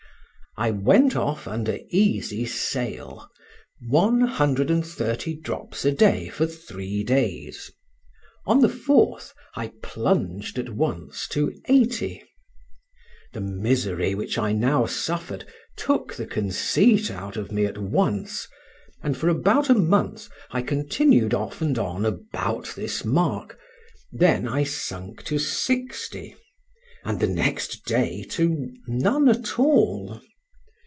I went off under easy sail—130 drops a day for three days; on the fourth I plunged at once to 80. The misery which I now suffered "took the conceit" out of me at once, and for about a month I continued off and on about this mark; then I sunk to 60, and the next day to—none at all.